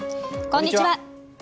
こんにちは。